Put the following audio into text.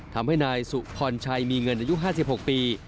ทำให้นายสุพรชัยมีเงินอายุ๕๖ปี